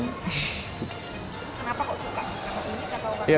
terus kenapa kok suka